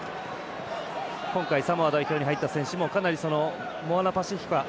今回、サモア代表に入った選手かなり、モアナパシフィカ